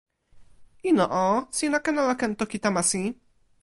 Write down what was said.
ilo o, sina ken ala ken toki Tamasi?